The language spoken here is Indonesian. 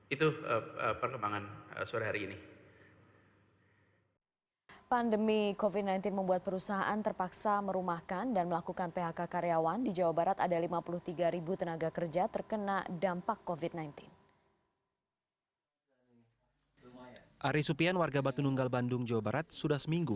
itu selamat datang